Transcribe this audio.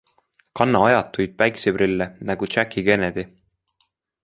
Kanna ajatuid päikeseprille nagu Jackie Kennedy.